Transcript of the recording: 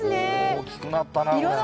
大きくなったなこれ。